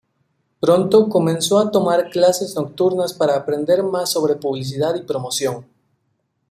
Pronto comenzó a tomar clases nocturnas para aprender más sobre publicidad y promoción.